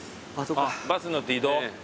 バスに乗って移動？